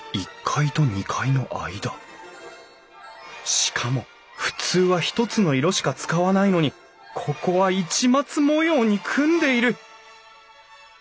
しかも普通は一つの色しか使わないのにここは市松模様に組んでいる！